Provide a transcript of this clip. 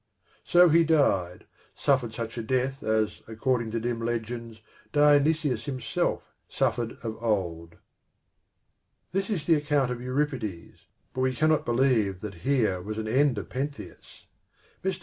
So he died, suffered such a death as, according to dim legends, Dionysus himself suffered of old. This is the account of Euripides ; but we cannot believe that here was an end of Pentheus. Mr.